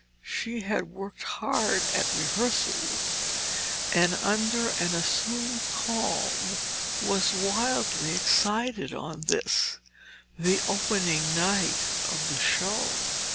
She had worked hard at rehearsals and under an assumed calm was wildly excited on this, the opening night of the show.